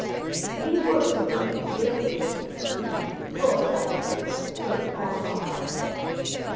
These words of Louise elated the king, who, full of happiness, hurried Saint Aignan down the stairs.